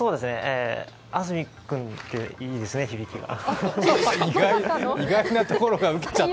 アズミくんっていいですね、響が。